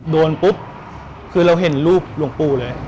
โดนปุ๊บคือเราเห็นรูปหลวงปู่เลย